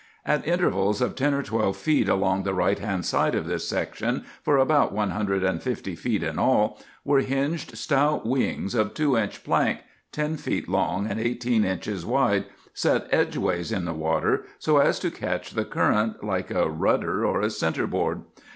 At intervals of ten or twelve feet along the right hand side of this section, for about one hundred and fifty feet in all, were hinged stout wings of two inch plank, ten feet long and eighteen inches wide, set edgewise in the water so as to catch the current, like a rudder or a centreboard.